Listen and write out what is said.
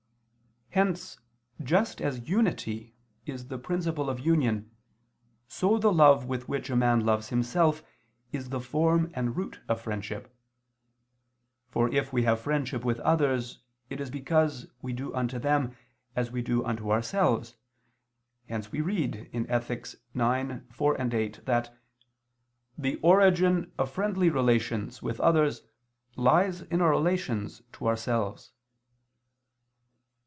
Hence, just as unity is the principle of union, so the love with which a man loves himself is the form and root of friendship. For if we have friendship with others it is because we do unto them as we do unto ourselves, hence we read in Ethic. ix, 4, 8, that "the origin of friendly relations with others lies in our relations to ourselves."